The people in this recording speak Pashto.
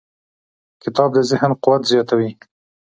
کتاب د ذهن قوت زیاتوي.